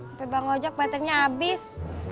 empe bang ngajak baterenya abis